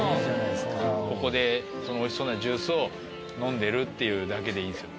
ここでそのおいしそうなジュースを飲んでるっていうだけでいいんですよ。